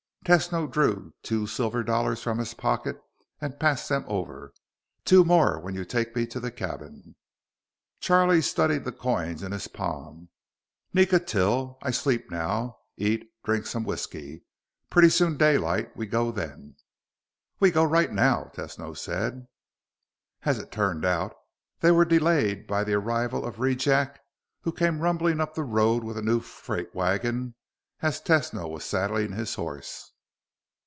Tesno drew two silver dollars from his pocket and passed them over. "Two more when you take me to the cabin." Charlie studied the coins in his palm. "Nika till. I sleep now. Eat. Drink some whisky. Pretty soon daylight. We go then." "We go right now," Tesno said. As it turned out, they were delayed by the arrival of Rejack, who came rumbling up the road with a new freight wagon as Tesno was saddling his horse.